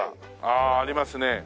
ああありますね。